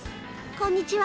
こんにちは。